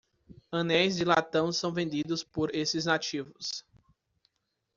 Anéis de latão são vendidos por esses nativos.